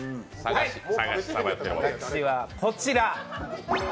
私はこちら。